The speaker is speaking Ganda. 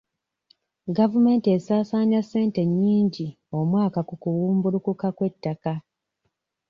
Gavumenti esaasaanya ssente nnyingi omwaka ku kuwumbulukuka kw'ettaka.